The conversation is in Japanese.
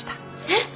えっ！？